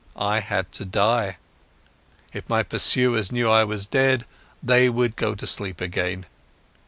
I had to die. If my pursuers knew I was dead they would go to sleep again."